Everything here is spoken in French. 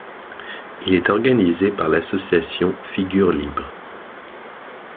Il est organisé par l'association Figures libres.